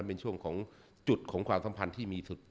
เป็นช่วงของจุดของความสัมพันธ์ที่มีสุด